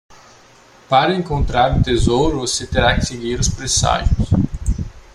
Para encontrar o tesouro? você terá que seguir os presságios.